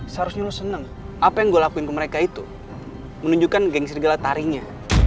seharusnya lo seneng apa yang gue lakuin ke mereka itu menunjukkan geng segala tarinya